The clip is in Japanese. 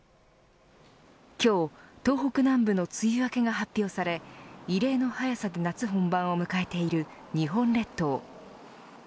今日、東北南部の梅雨明けが発表され異例の早さで夏本番を迎えている日本列島。